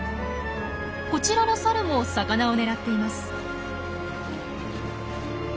こちらのサルも魚を狙っています。